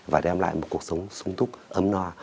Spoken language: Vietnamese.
và đem lại một cuộc sống sung túc ấm no